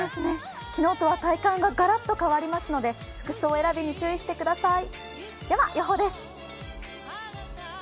昨日とは体感がガラッと変わりますので服装選びに注意してください。